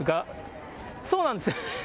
そうなんですね。